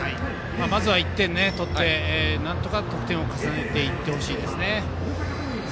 まずは１点取ってなんとか得点を重ねていってほしいですね。